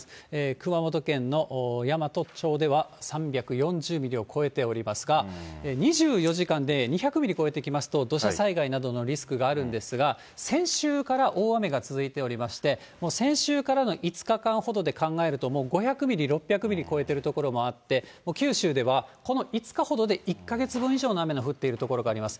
熊本県の山都町では３４０ミリを超えておりますが、２４時間で２００ミリを超えてきますと、土砂災害などのリスクがあるんですが、先週から大雨が続いておりまして、もう先週からの５日間ほどで考えると、もう５００ミリ、６００ミリ超えている所もあって、もう九州ではこの５日ほどで１か月分以上の雨が降っている所があります。